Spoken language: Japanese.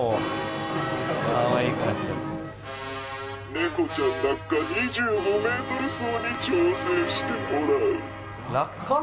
「ネコちゃん落下２５ｍ走に挑戦してもらう」。